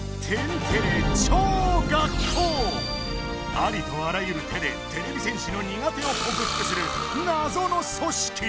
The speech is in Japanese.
ありとあらゆる手でてれび戦士の苦手を克服するナゾの組しき。